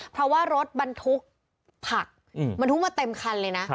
เพราะว่ารถบรรทุกผักบรรทุกมาเต็มคันเลยนะ